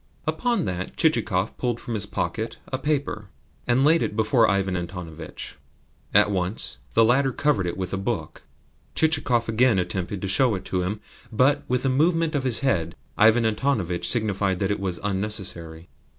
Upon that Chichikov pulled from his pocket a paper, and laid it before Ivan Antonovitch. At once the latter covered it with a book. Chichikov again attempted to show it to him, but, with a movement of his head, Ivan Antonovitch signified that that was unnecessary.